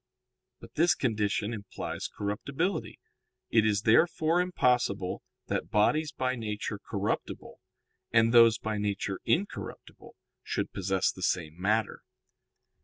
But this condition implies corruptibility. It is therefore impossible that bodies by nature corruptible, and those by nature incorruptible, should possess the same matter.